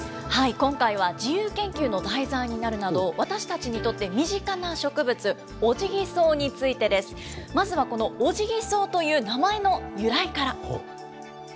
今回は自由研究の題材になるなど、私たちにとって身近な植物、オジギソウについてです。まずはこのオジギソウという名前の由来から。